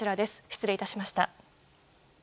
失礼致しました。